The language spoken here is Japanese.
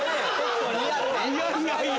いやいやいや。